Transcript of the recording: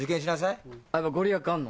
御利益あんの？